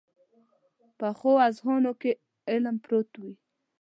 پخو اذهانو کې علم پروت وي